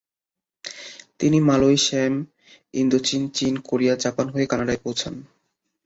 তিনি Malaya, Siam, ইন্দোচীন, চীন, কোরিয়া, জাপান হয়ে কানাডায় পৌঁছান।